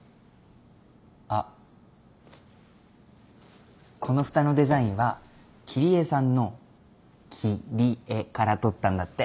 あっこのふたのデザインは桐江さんの切り絵から取ったんだって。